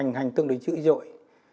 nó hành tương đối dữ dội